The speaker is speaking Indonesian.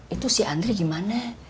itu si andri gimana